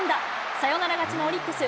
サヨナラ勝ちのオリックス。